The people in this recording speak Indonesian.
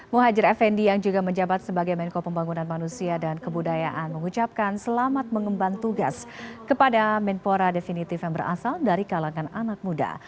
muhajir effendi yang juga menjabat sebagai menko pembangunan manusia dan kebudayaan mengucapkan selamat mengemban tugas kepada menpora definitif yang berasal dari kalangan anak muda